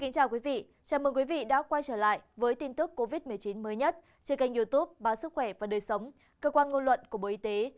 chào mừng quý vị đã quay trở lại với tin tức covid một mươi chín mới nhất trên kênh youtube báo sức khỏe và đời sống cơ quan ngôn luận của bộ y tế